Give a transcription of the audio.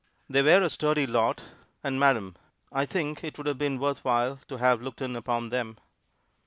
They were a sturdy lot; and madam! I think it would have been worth while to have looked in upon them.